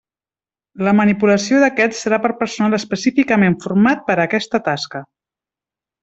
La manipulació d'aquests serà per personal específicament format per a aquesta tasca.